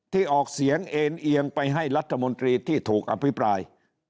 ออกเสียงเอ็นเอียงไปให้รัฐมนตรีที่ถูกอภิปราย